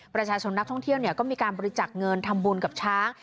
ประชาชนนักท่องเที่ยวก็มีการบริจักษ์เงินทำบุญกับช้าง